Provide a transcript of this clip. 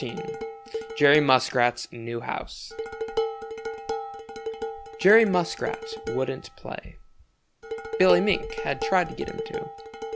XIV JERRY MUSKRAT'S NEW HOUSE Jerry Muskrat wouldn't play. Billy Mink had tried to get him to.